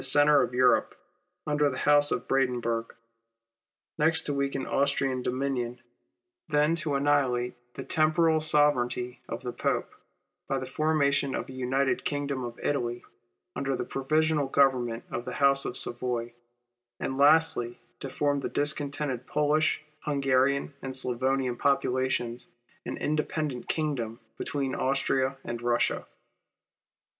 05 the centre of Europe, under the house of Brandenburg ; next to weaken Austrian dominion ; then to annihihite the temporal sovereignty of the Pope, by the formation of a United Kingdom of Italy under the provisional government of the house of Savoy; and lastly, to form of the discontented Polish, Hungarian, and Slavonian populations, an independent kingdom between Austria and Kussia.